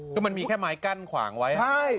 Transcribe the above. คือมันมีแค่ไม้กั้นขวางไว้